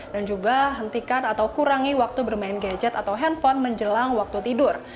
dan juga hentikan atau kurangi waktu bermain gadget atau handphone menjelang waktu tidur